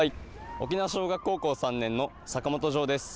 沖縄尚学高校３年の坂本条です。